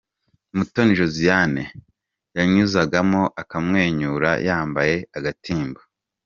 Mutoni Josiane yanyuzagamo akamwenyura yambaye agatimba.